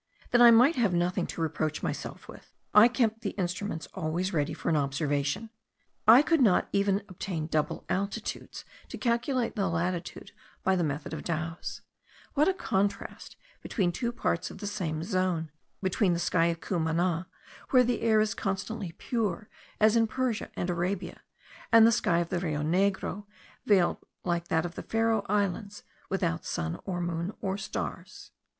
That I might have nothing to reproach myself with, I kept the instruments always ready for an observation. I could not even obtain double altitudes, to calculate the latitude by the method of Douwes. What a contrast between two parts of the same zone; between the sky of Cumana, where the air is constantly pure as in Persia and Arabia, and the sky of the Rio Negro, veiled like that of the Feroe islands, without sun, or moon or stars!